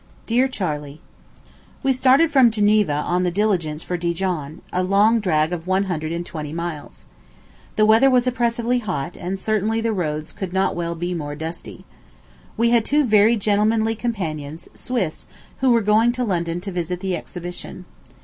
DEAR CHARLEY: We started from Geneva in the diligence for Dijon, a long drag of one hundred and twenty miles. The weather was oppressively hot, and certainly the roads could not well be more dusty. We had two very gentlemanly companions, Swiss, who were going to London to visit the exhibition.